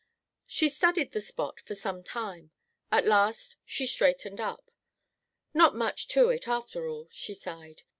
She studied the spot for some time. At last she straightened up. "Not much to it, after all," she sighed.